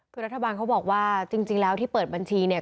คือรัฐบาลเขาบอกว่าจริงแล้วที่เปิดบัญชีเนี่ย